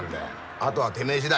あとはてめえ次第。